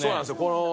この。